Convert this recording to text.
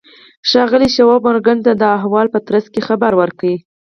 ښاغلي شواب مورګان ته د احوال په ترڅ کې خبر ورکړ